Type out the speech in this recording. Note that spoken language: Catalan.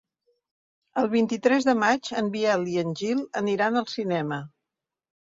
El vint-i-tres de maig en Biel i en Gil aniran al cinema.